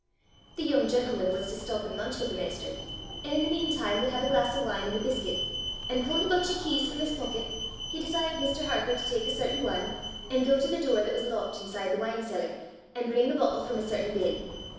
"The yoong gentleman was to stop an' lunch wi' the master, an' i' the meantime would have a glass o' wine an' a biscuit; an' pullin' a bunch o' keys from his pocket, he desired Mr. Harper to take a certain one and go to the door that was locked inside the wine cellar, and bring a bottle from a certain bin.